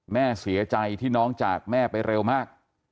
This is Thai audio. แม่เสียใจที่น้องจากแม่ไปเร็วมาก